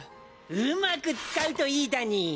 うまく使うといいだに。